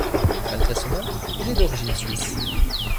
Malgré son nom, il est d'origine suisse.